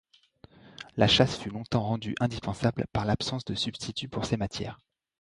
La chasse fut longtemps rendue indispensable par l'absence de substituts pour ces matières.